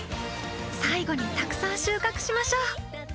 最後にたくさん収穫しましょう。